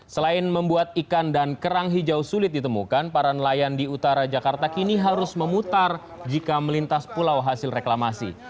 selain membuat ikan dan kerang hijau sulit ditemukan para nelayan di utara jakarta kini harus memutar jika melintas pulau hasil reklamasi